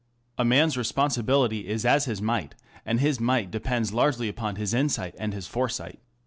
A man's responsibility is as his might, and his might depends largely upon his insight and his foresight.